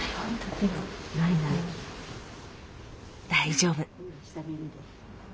大丈夫。